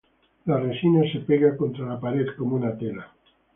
La resina se pega contra la pared como una tela.